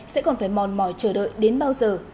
sẽ còn phải mòn mỏi chờ đợi đến bao giờ